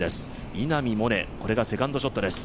稲見萌寧、セカンドショットです。